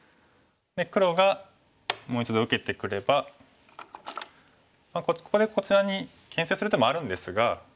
黒がもう一度受けてくればここでこちらにけん制する手もあるんですが。